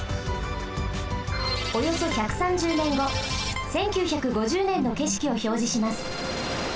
およそ１３０ねんご１９５０ねんのけしきをひょうじします。